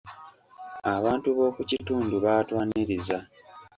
Abantu b'oku kitundu baatwanirizza.